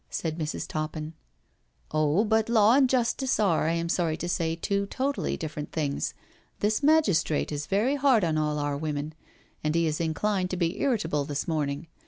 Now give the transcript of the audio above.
said Mrs. Toppin. " Oh, but law and justice are, I am sorry to say, two totally different things. This magistrate is very hard on all our women, and he is inclined to be irritable this morning.